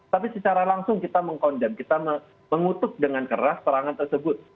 tapi secara langsung kita mengkondem kita mengutuk dengan keras serangan tersebut